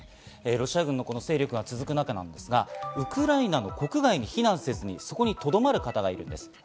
ロシア軍の勢力が続く中ですが、ウクライナの国外に避難せずに、そこにとどまる方がいます。